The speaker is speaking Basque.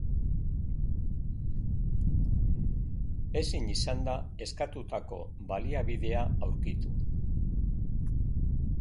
Ezin izan da eskatutako baliabidea aurkitu.